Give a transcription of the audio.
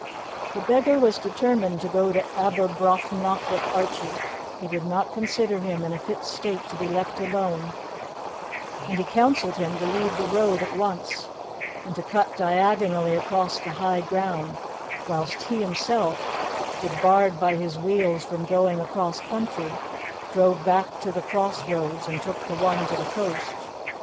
The beggar was determined to go to Aberbrothock with Archie; he did not consider him in a fit state to be left alone, and he counselled him to leave the road at once, and to cut diagonally across the high ground, whilst he himself, debarred by his wheels from going across country, drove back to the cross roads, and took the one to the coast.